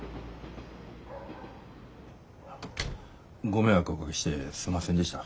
ご迷惑をおかけしてすんませんでした。